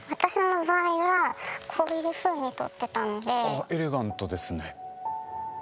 あっエレガントですね。